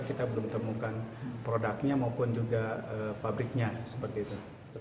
kita belum temukan produknya maupun juga pabriknya seperti itu